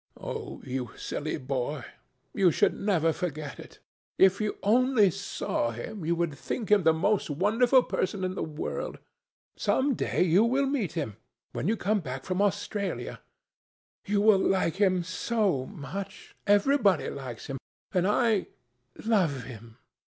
Oh! you silly boy! you should never forget it. If you only saw him, you would think him the most wonderful person in the world. Some day you will meet him—when you come back from Australia. You will like him so much. Everybody likes him, and I ... love him.